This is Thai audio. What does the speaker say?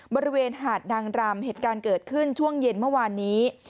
บริเวณหาดนางรำเหตุการณ์เกิดขึ้นช่วงเย็นเมื่อวานนี้